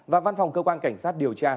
và văn phòng cơ quan cảnh sát điều tra